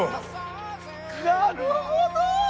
なるほど！